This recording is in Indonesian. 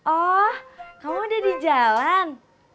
oh kamu udah di jalan